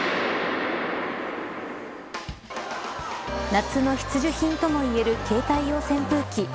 夏の必需品ともいえる携帯用扇風機。